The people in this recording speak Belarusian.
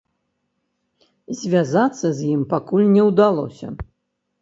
Звязацца з ім пакуль не ўдалося.